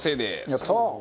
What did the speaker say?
やったー！